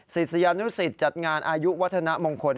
ศิษยานุสิตจัดงานอายุวัฒนมงคล